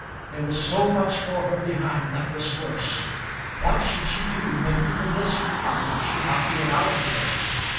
There was so much for her behind that was worse! What should she do when even this retirement should not be allowed to her?